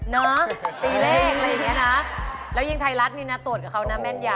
ตีเลขอะไรอย่างเงี้ยนะแล้วยังไทยรัฐนี่นะตรวจกับเขานะแม่นยัน